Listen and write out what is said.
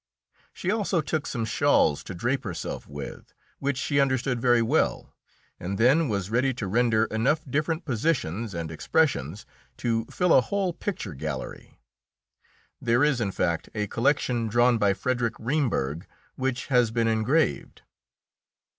She also took some shawls to drape herself with, which she understood very well, and then was ready to render enough different positions and expressions to fill a whole picture gallery. There is, in fact, a collection drawn by Frederic Reimberg, which has been engraved.